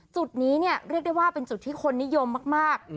จุดนี้เนี่ยเรียกได้ว่าเป็นจุดที่คนนิยมมาก